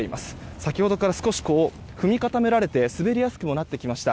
先ほどから少し、踏み固められて滑りやすくなってきました。